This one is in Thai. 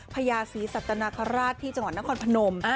พญาสีสัตนครราชที่จังหวัดน้ะคอนพนม